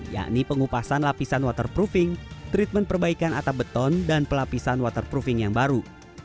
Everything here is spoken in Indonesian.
yakni pengupasan lapisan waterproofing treatment perbaikan atap beton dan pelapisan waterproofing yang baru